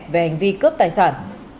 về hành vi cướp tài sản